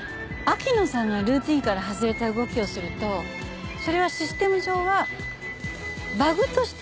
秋野さんがルーティンから外れた動きをするとそれはシステム上はバグとして認識されます。